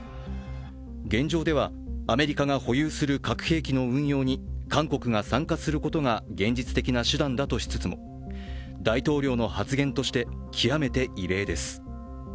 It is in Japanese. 現状ではアメリカが保有する核兵器の運用に韓国が参加することが現実的な手段だとしつつも大統領の発言として極めて異例です。